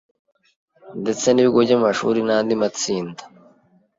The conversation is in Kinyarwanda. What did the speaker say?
Ndetse n’ibigo by’amashuri n’andi matsinda